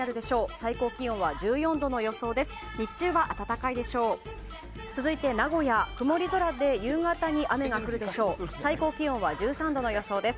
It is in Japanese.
最高気温は１４度の予想です。